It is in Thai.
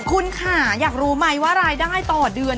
คุณค่ะอยากรู้ไหมว่ารายได้ต่อเดือน